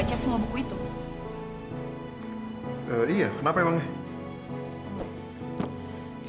baca buku di perpus